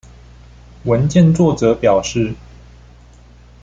文件作者表示